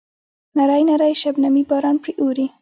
نری نری شبنمي باران پرې اوروي.